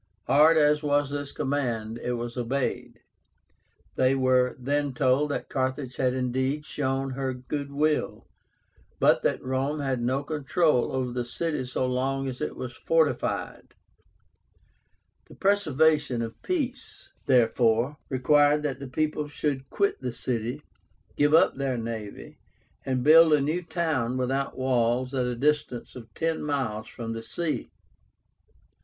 Hard as was this command, it was obeyed. They were then told that Carthage had indeed shown her good will, but that Rome had no control over the city so long as it was fortified. The preservation of peace, therefore, required that the people should quit the city, give up their navy, and build a new town without walls at a distance of ten miles from the sea.